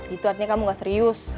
itu artinya kamu gak serius